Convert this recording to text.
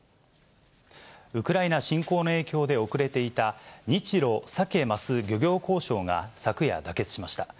ウクライナ侵攻の影響で遅れていた日ロサケ・マス漁業交渉が、昨夜妥結しました。